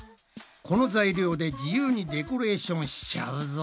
この材料で自由にデコレーションしちゃうぞ。